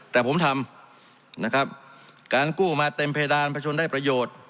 แต่ผมทำนะครับการกู้มาเต็มเพดานประชนได้ประโยชน์